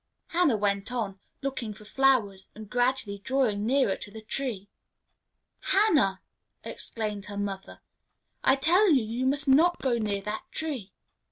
Hannah went on, looking for flowers, and gradually drawing nearer to the tree. "Hannah!" exclaimed her mother, "I tell you that you must not go near that tree.